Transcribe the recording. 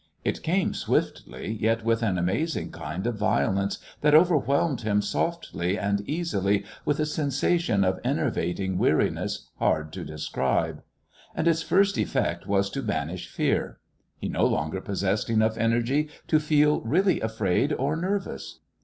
It came swiftly, yet with an amazing kind of violence that overwhelmed him softly and easily with a sensation of enervating weariness hard to describe. And its first effect was to banish fear. He no longer possessed enough energy to feel really afraid or nervous.